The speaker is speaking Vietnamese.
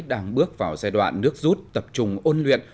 đang bước vào giai đoạn nước rút tập trung ôn luyện